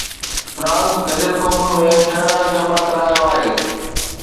France گڏيل قومن ۾ ٺهراءُ جمع ڪرايو آهي.